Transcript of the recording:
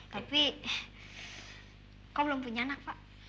tapi kau belum punya anak pak